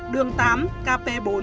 đường tám kp bốn